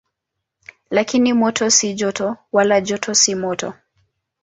Lakini moto si joto, wala joto si moto.